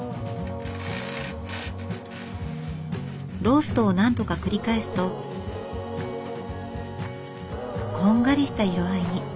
ローストを何度か繰り返すとこんがりした色合いに。